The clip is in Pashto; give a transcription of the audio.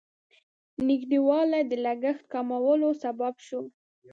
نږدېوالی د لګښت کمولو سبب شو.